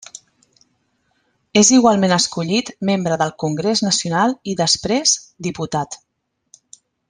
És igualment escollit membre del Congrés nacional i després diputat.